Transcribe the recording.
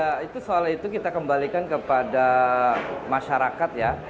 ya itu soal itu kita kembalikan kepada masyarakat ya